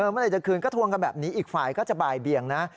เมื่อไหร่จะคืนก็ทวงกันแบบนี้อีกฝ่ายก็จะบ่ายเบียงนะ